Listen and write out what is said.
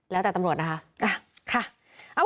แล้วแต่ตำรวจเอ้าค่ะ